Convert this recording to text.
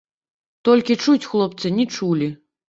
Толькі чуць хлопцы не чулі.